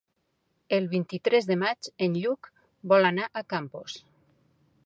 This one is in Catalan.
El vint-i-tres de maig en Lluc vol anar a Campos.